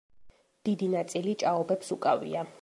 დიდი ნაწილი ჭაობებს უკავია.